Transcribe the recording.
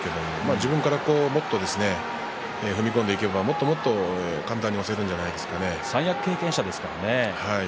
自分からもっと踏み込んでいけばもっともっと簡単に三役経験者ですからね。